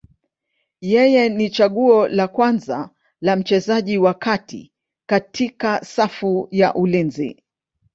Yeye ni chaguo la kwanza la mchezaji wa kati katika safu ya ulinzi.